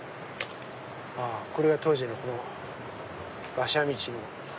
これが当時のこの馬車道の。